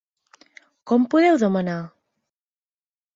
Com podeu demanar!?